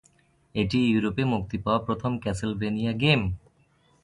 এটি ইউরোপে মুক্তি পাওয়া প্রথম "ক্যাসেলভেনিয়া" গেম।